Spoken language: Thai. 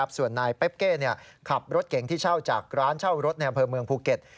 ส่วนนายเป๊บเก้ขับรถเก่งที่เช่าจากร้านเช่ารถในอำเภอเมืองภูเก็ต